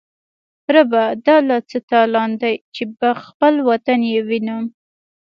ربه دا لا څه تالان دی، چی به خپل وطن یې وینم